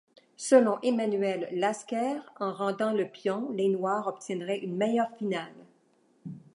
Selon Emanuel Lasker, en rendant le pion, les noirs obtiendraient une meilleure finale.